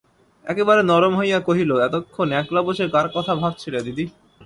একেবারে নরম হইয়া কহিল, এতক্ষণ একলা বসে কার কথা ভাবছিলে দিদি?